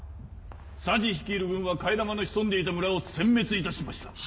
左慈率いる軍は替え玉の潜んでいた村を殲滅いたしました。